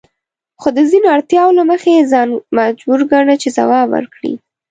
خو د ځینو اړتیاوو له مخې یې ځان مجبور ګاڼه چې ځواب ورکړي.